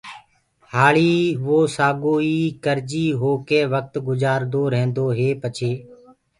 هآݪي ووسآگوئي ڪرجي هوڪي وڪت گجآردو ريهندو هي پڇي